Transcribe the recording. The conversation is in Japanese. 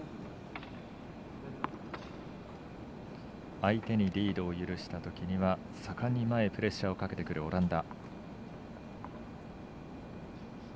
相手にリードを許したときには盛んに前にプレッシャーをかけてくるオランダ。